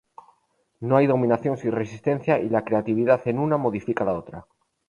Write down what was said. No hay dominación sin resistencia y la creatividad en una modifica la otra.